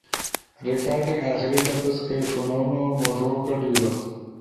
ریکارڈنگ آخری لفظ کئی ݜونونو مݜو کٹ بیلو